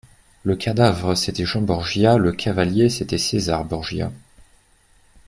Le cadavre, c’était Jean Borgia ; le cavalier, c’était César Borgia.